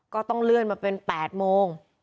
ก็ต้องเลื่อนมาเป็น๘โมง